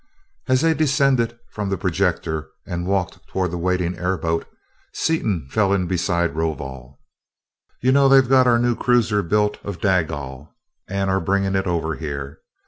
As they descended from the projector and walked toward the waiting airboat, Seaton fell in beside Rovol. "You know they've got our new cruiser built of dagal, and are bringing it over here.